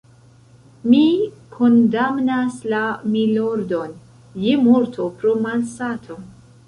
Mi kondamnas la _milordon_ je morto pro malsato.